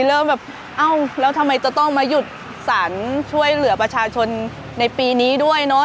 เริ่มแบบเอ้าแล้วทำไมจะต้องมาหยุดสรรช่วยเหลือประชาชนในปีนี้ด้วยเนอะ